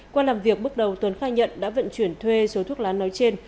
qua làm việc bước đầu tuấn khai nhận đã vận chuyển thuê số thuốc lá nói trên